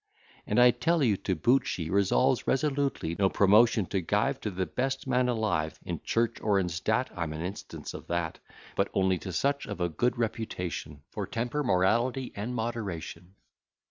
And, I tell you to boot, she Resolves resolutely, No promotion to give To the best man alive, In church or in state, (I'm an instance of that,) But only to such of a good reputation For temper, morality, and moderation.